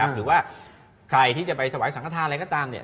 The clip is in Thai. หรือว่าใครที่จะไปถวายสังฆฐานอะไรก็ตาม